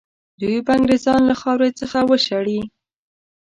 دوی به انګرېزان له خاورې څخه وشړي.